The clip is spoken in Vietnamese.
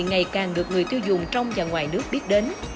ngày càng được người tiêu dùng trong và ngoài nước biết đến